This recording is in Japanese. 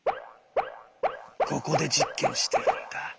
ここで実験してるんだ。